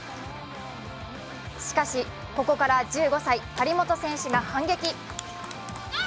しかし、ここから１５歳・張本選手が反撃。